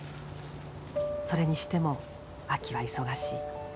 それにしても秋は忙しい。